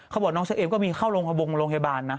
เขาบอกน้องเชอเอมก็มีเข้าวงโรงพยาบาลนะ